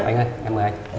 anh ơi em mời anh